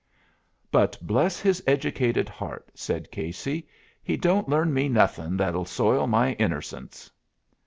"But bless his educated heart," said Casey, "he don't learn me nothing that'll soil my innercence!"